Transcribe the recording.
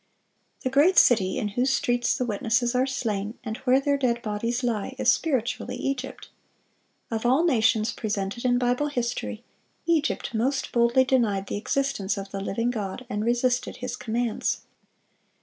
The "great city" in whose streets the witnesses are slain, and where their dead bodies lie, "is spiritually Egypt." Of all nations presented in Bible history, Egypt most boldly denied the existence of the living God, and resisted His commands.